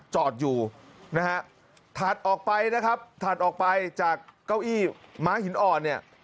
จอดอยู่นะฮะถัดออกไปนะครับถัดออกไปจากเก้าอี้ม้าหินอ่อนเนี่ย